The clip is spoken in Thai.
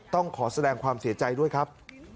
ต้องขอแสดงความเสียใจด้วยครับ